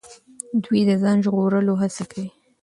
دوی د ځان ژغورلو هڅه کوي.